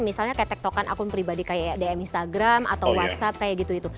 misalnya kayak tektokan akun pribadi kayak dm instagram atau whatsapp kayak gitu gitu